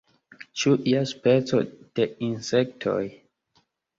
Ĉu ia speco de insektoj?